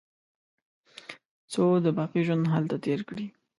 څو د باقي ژوند هلته تېر کړي.